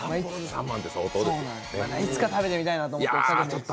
いつか食べてみたいなと思って。